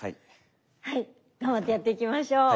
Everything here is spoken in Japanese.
はい頑張ってやっていきましょう。